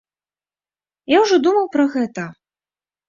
Я ўжо думаў пра гэта.